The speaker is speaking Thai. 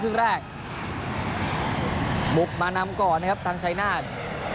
ครึ่งแรกบุกมานำก่อนนะครับทางชายนาฏ